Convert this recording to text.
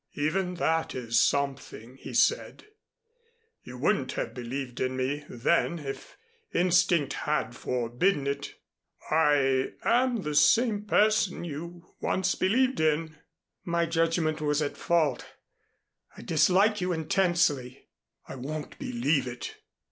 "Even that is something," he said. "You wouldn't have believed in me then if instinct had forbidden it. I am the same person you once believed in." "My judgment was at fault. I dislike you intensely." "I won't believe it."